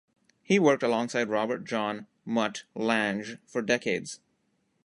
He worked alongside Robert John "Mutt" Lange for decades.